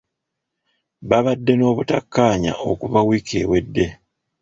Babadde n'obutakkaanya okuva wiiki ewedde.